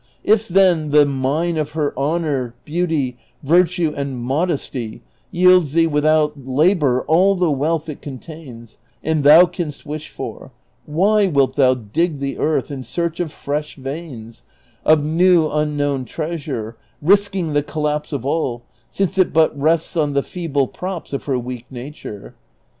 If, then, the mine of her honor, beauty, virtue, and modest}' yields thee without labor all the wealth it contains and thou canst wish for, why wilt thou dig the earth in search of fresh veins, of new unknown treasure, risking the collapse of all, since it i)ut rests on the feeble props of her weak natui'e?